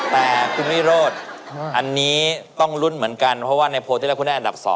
แต่คุณวิโรธอันนี้ต้องลุ้นเหมือนกันเพราะว่าในโพลที่แรกคุณได้อันดับ๒